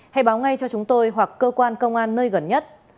hãy báo ngay cho chúng tôi hoặc cơ quan công an nơi gần nhất